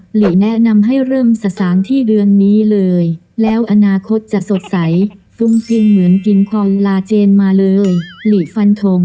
หลีแนะนำให้เริ่มสถานที่เดือนนี้เลยแล้วอนาคตจะสดใสฟุ้งฟินเหมือนกินควันลาเจนมาเลยหลีฟันทง